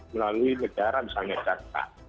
melalui negara misalnya jasa